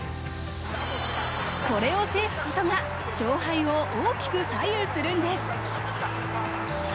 これを制することが、勝敗を大きく左右するんです。